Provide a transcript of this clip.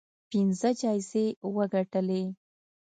پنځه جایزې وګټلې